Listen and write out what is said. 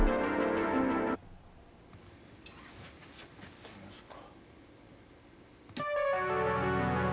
やってみますか。